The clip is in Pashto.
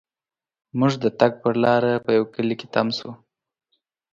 مونږ د تګ پر لار یوه کلي کې تم شوو.